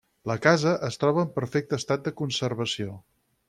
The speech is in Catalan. La casa es troba en perfecte estat de conservació.